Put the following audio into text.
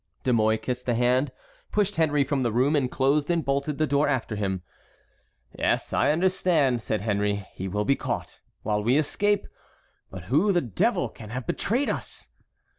De Mouy kissed the hand, pushed Henry from the room, and closed and bolted the door after him. "Yes, I understand," said Henry, "he will be caught, while we escape; but who the devil can have betrayed us?"